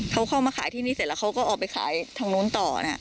เขาเข้ามาขายที่นี่เสร็จแล้วเขาก็ออกไปขายทางนู้นต่อนะ